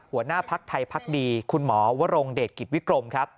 หัวหน้าภักดีไทยคุณหมอวรงเดตกิตวิกรมครับ